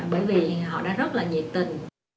bởi vì họ đã rất là nhiệt tình